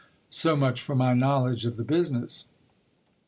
So much for my knowledge of the business.